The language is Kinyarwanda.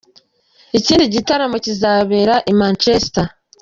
Iki ni igitramo kizabera i Manchester.